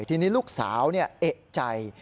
ทีนี้ลูกสาวเนี่ยเอกใจ